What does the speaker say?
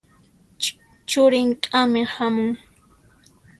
Churin k'amiq hamun.